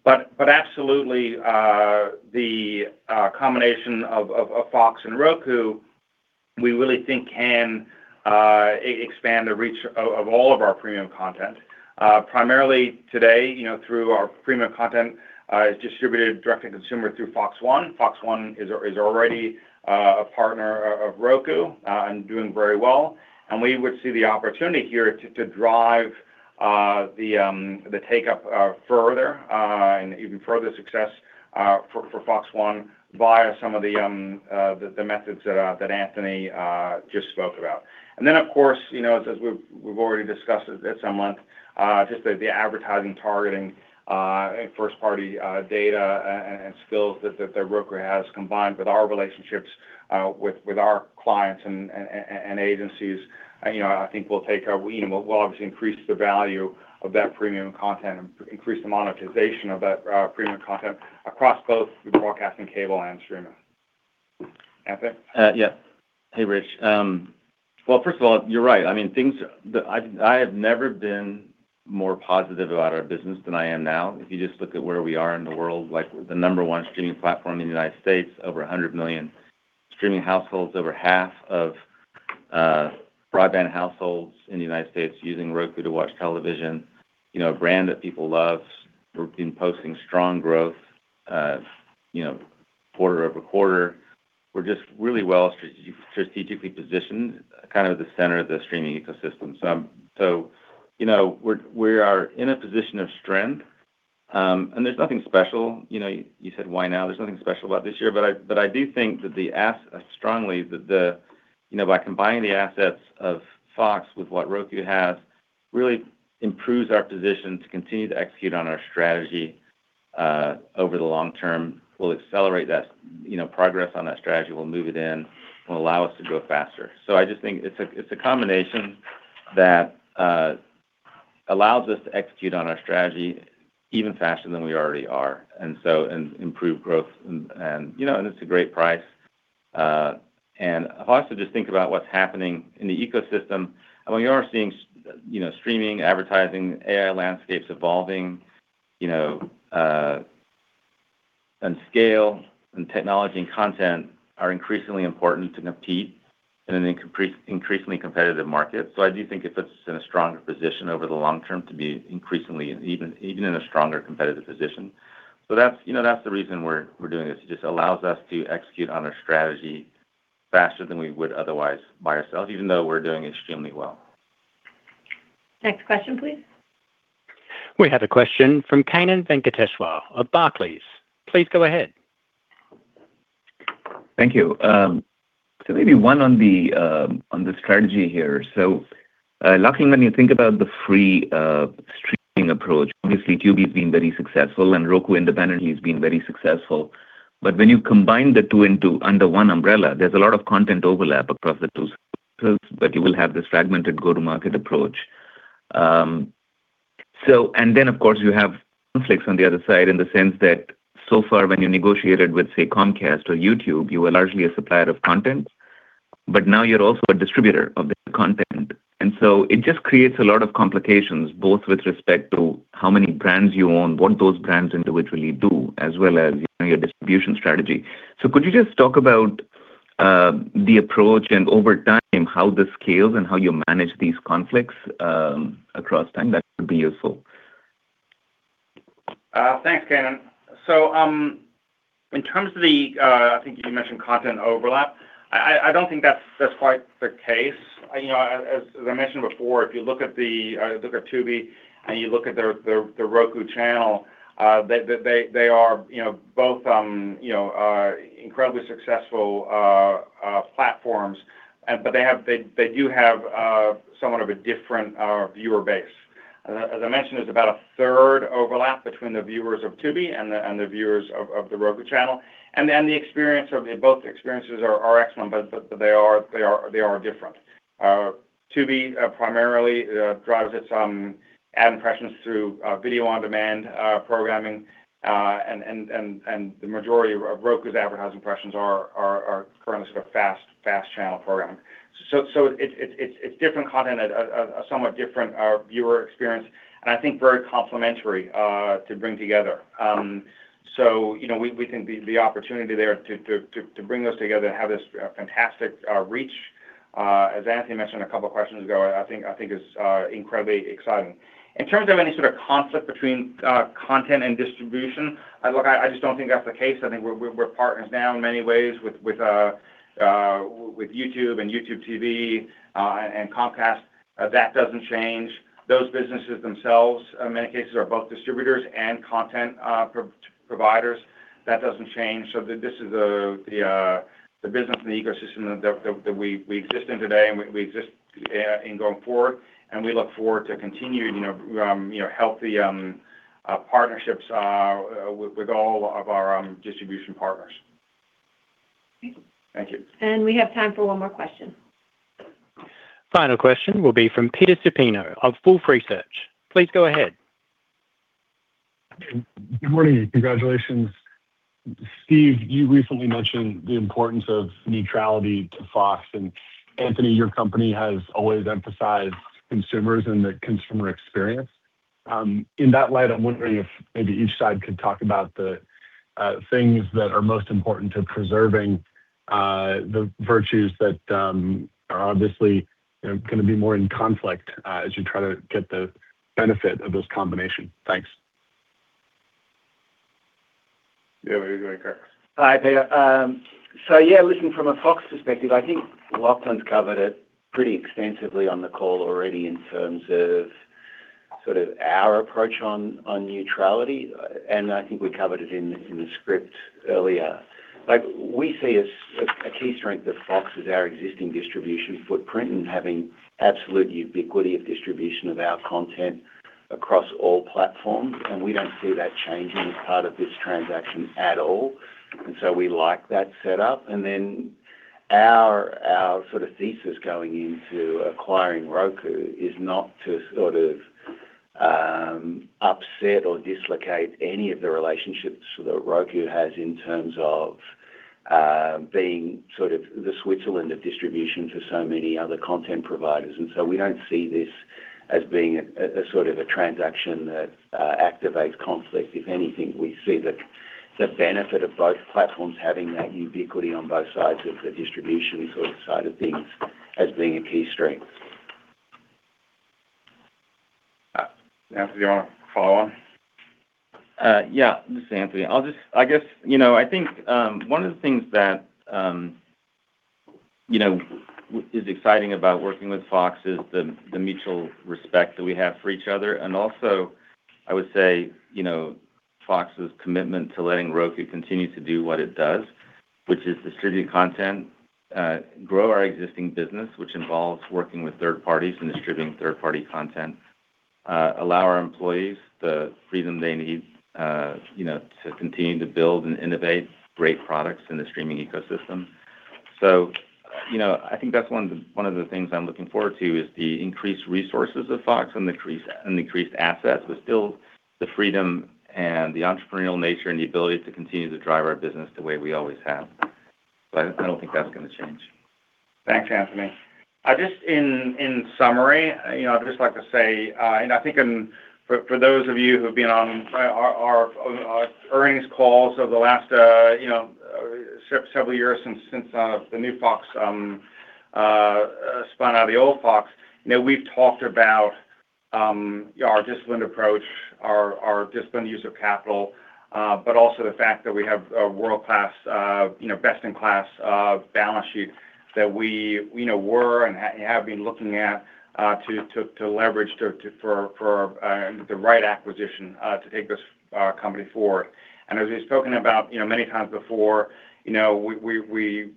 but absolutely, the combination of Fox and Roku, we really think can expand the reach of all of our premium content. Primarily today, through our premium content is distributed direct to consumer through FOX One. FOX One is already a partner of Roku and doing very well, and we would see the opportunity here to drive the take-up further and even further success for FOX One via some of the methods that Anthony just spoke about. Of course, as we've already discussed at some length, just the advertising targeting, first-party data, and skills that Roku has combined with our relationships with our clients and agencies, I think will obviously increase the value of that premium content and increase the monetization of that premium content across both the broadcast and cable and streaming. Anthony? Yeah. Hey, Rich. Well, first of all, you're right. I have never been more positive about our business than I am now. If you just look at where we are in the world, the number one streaming platform in the U.S., over 100 million streaming households, over half of broadband households in the U.S. using Roku to watch television. A brand that people love. We've been posting strong growth quarter-over-quarter. We're just really well strategically positioned, kind of the center of the streaming ecosystem. We are in a position of strength. There's nothing special. You said, "Why now?" There's nothing special about this year. I do think that strongly that by combining the assets of Fox with what Roku has, really improves our position to continue to execute on our strategy, over the long term. We'll accelerate that progress on that strategy. We'll move it in and allow us to grow faster. I just think it's a combination that allows us to execute on our strategy even faster than we already are, improve growth, and it's a great price. If I also just think about what's happening in the ecosystem, I mean, we are seeing streaming, advertising, AI landscapes evolving, and scale and technology and content are increasingly important to compete in an increasingly competitive market. I do think it puts us in a stronger position over the long term to be increasingly, even in a stronger competitive position. That's the reason we're doing this. It just allows us to execute on our strategy faster than we would otherwise by ourselves, even though we're doing extremely well. Next question, please. We have a question from Kannan Venkateshwar of Barclays. Please go ahead. Thank you. Maybe one on the strategy here. Lachlan, when you think about the free streaming approach, obviously Tubi's been very successful and Roku independently has been very successful. When you combine the two under one umbrella, there's a lot of content overlap across the two. You will have this fragmented go-to-market approach. Of course, you have conflicts on the other side in the sense that so far when you negotiated with, say, Comcast or YouTube, you were largely a supplier of content, but now you're also a distributor of the content. It just creates a lot of complications, both with respect to how many brands you own, what those brands individually do, as well as your distribution strategy. Could you just talk about the approach and over time, how this scales and how you manage these conflicts across time? That would be useful. Thanks, Kannan. In terms of the, I think you mentioned content overlap. I don't think that's quite the case. As I mentioned before, if you look at Tubi and you look at The Roku Channel, they are both incredibly successful platforms, but they do have somewhat of a different viewer base. As I mentioned, there's about a third overlap between the viewers of Tubi and the viewers of The Roku Channel. Both experiences are excellent, but they are different. Tubi primarily drives its ad impressions through video on-demand programming. The majority of Roku's advertising impressions are currently sort of fast channel programming. It's different content, a somewhat different viewer experience, and I think very complementary to bring together. We think the opportunity there to bring those together and have this fantastic reach. As Anthony mentioned a couple of questions ago, I think it's incredibly exciting. In terms of any sort of conflict between content and distribution, look, I just don't think that's the case. I think we're partners now in many ways with YouTube and YouTube TV, and Comcast. That doesn't change. Those businesses themselves, in many cases, are both distributors and content providers. That doesn't change. This is the business and the ecosystem that we exist in today and we exist in going forward. We look forward to continuing our healthy partnerships with all of our distribution partners. Great. Thank you. We have time for one more question. Final question will be from Peter Supino of Wolfe Research. Please go ahead. Good morning. Congratulations. Steve, you recently mentioned the importance of neutrality to Fox, Anthony, your company has always emphasized consumers and the consumer experience. In that light, I'm wondering if maybe each side could talk about the things that are most important to preserving the virtues that are obviously going to be more in conflict as you try to get the benefit of this combination. Thanks. Yeah. You want to go? Sure. Hi, Peter. Yeah, listening from a Fox perspective, I think Lachlan's covered it pretty extensively on the call already in terms of our approach on neutrality, I think we covered it in the script earlier. We see a key strength of Fox is our existing distribution footprint and having absolute ubiquity of distribution of our content across all platforms, we don't see that changing as part of this transaction at all. We like that set up. Our thesis going into acquiring Roku is not to upset or dislocate any of the relationships that Roku has in terms of being the Switzerland of distribution for so many other content providers. We don't see this as being a transaction that activates conflict. If anything, we see the benefit of both platforms having that ubiquity on both sides of the distribution side of things as being a key strength. Anthony, you want to follow on? Yeah. This is Anthony. I think one of the things that is exciting about working with Fox is the mutual respect that we have for each other, and also, I would say, Fox's commitment to letting Roku continue to do what it does, which is distribute content, grow our existing business, which involves working with third parties and distributing third-party content, allow our employees the freedom they need to continue to build and innovate great products in the streaming ecosystem. I think that's one of the things I'm looking forward to is the increased resources of Fox and increased assets, but still the freedom and the entrepreneurial nature and the ability to continue to drive our business the way we always have. I don't think that's going to change. Thanks, Anthony. Just in summary, I'd just like to say, I think for those of you who've been on our earnings calls over the last several years since the new Fox spun out of the old Fox, we've talked about our disciplined approach, our disciplined use of capital, but also the fact that we have a world-class, best-in-class balance sheet that we were and have been looking at to leverage for the right acquisition to take this company forward. As we've spoken about many times before, we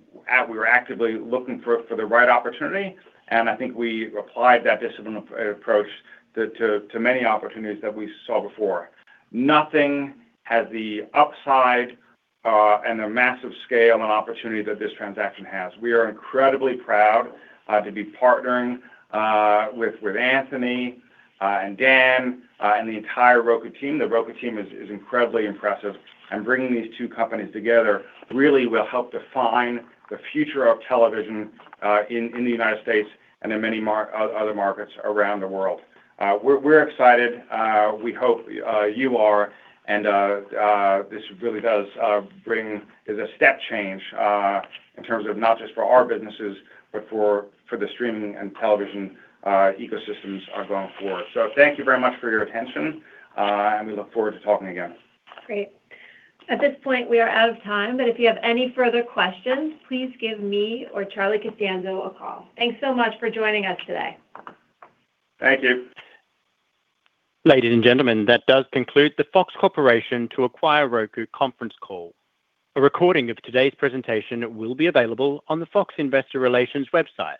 were actively looking for the right opportunity, and I think we applied that disciplined approach to many opportunities that we saw before. Nothing has the upside and the massive scale and opportunity that this transaction has. We are incredibly proud to be partnering with Anthony and Dan and the entire Roku team. The Roku team is incredibly impressive. Bringing these two companies together really will help define the future of television in the U.S. and in many other markets around the world. We're excited. We hope you are, this really does bring a step change in terms of not just for our businesses, but for the streaming and television ecosystems are going forward. Thank you very much for your attention, and we look forward to talking again. Great. At this point, we are out of time, if you have any further questions, please give me or Charlie Costanzo a call. Thanks so much for joining us today. Thank you. Ladies and gentlemen, that does conclude the Fox Corporation to acquire Roku conference call. A recording of today's presentation will be available on the Fox Investor Relations website.